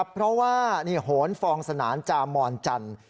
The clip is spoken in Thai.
เพราะว่านี่โหนฟองสนานจามอนจันทร์